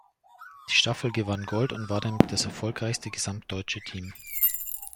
Die Staffel gewann Gold und war damit das erfolgreichste "gesamtdeutsche" Team.